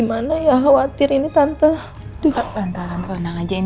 saya ke depan aja ya